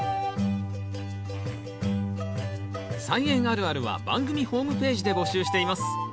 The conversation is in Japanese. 「菜園あるある」は番組ホームページで募集しています。